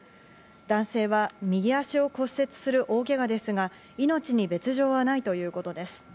男性は右足を骨折する大けがですが、命に別条はないということです。